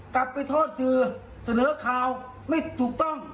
กลับไปโทษสื่อเสนอข่าวไม่ถูกต้อง